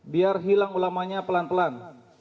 biar hilang ulamanya pelan pelan